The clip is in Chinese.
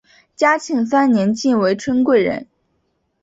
嘉庆三年晋为春贵人。